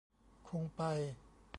คงไป